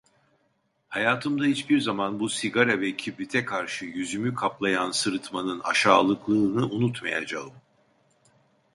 Hayatımda hiçbir zaman, bu sigara ve kibrite karşı yüzümü kaplayan sırıtmanın aşağılıklığını unutmayacağım.